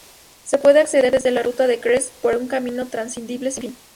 Se puede acceder desde la Ruta de Crest por un camino transitable sin fin.